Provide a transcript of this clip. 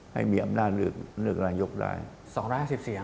ให้มีอำนาจเลือกลายยกได้อเจมส์๒๕๐เสียง